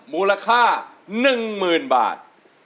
มูลค่า๑๐๐๐บาท